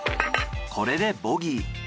これでボギー。